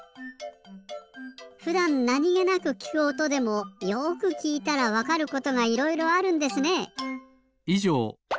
ふだんなにげなくきくおとでもよくきいたらわかることがいろいろあるんですね。